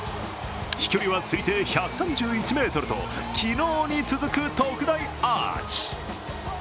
飛距離は推定１３１ｍと昨日に続く特大アーチ。